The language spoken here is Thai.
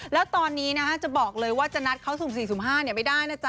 แล้วตอนนี้นะฮะจะบอกเลยว่าจะนัดเขา๐๔๐๕ไม่ได้นะจ๊ะ